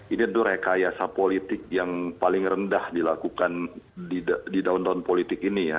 ini tuh rekayasa politik yang paling rendah dilakukan di tahun tahun politik ini ya